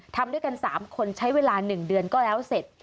ทำด้วยกัน๓คนใช้เวลา๑เดือนก็แล้วเสร็จ